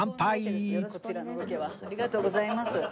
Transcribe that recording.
ありがとうございます。